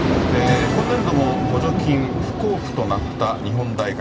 今年度も補助金不交付となった日本大学。